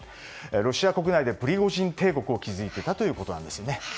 ロシア国内でプリゴジン帝国を築いていたということです。